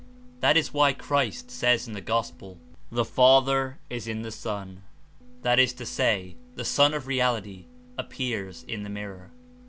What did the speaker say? That is why Christ says in the Gospel: The Father is ill the Son; that is to say, the Sun of Reality ap pears in the mirror."